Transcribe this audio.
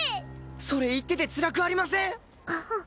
それ言っててつらくありません！？